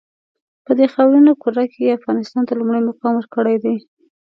په دې خاورینه کُره کې یې افغانستان ته لومړی مقام ورکړی دی.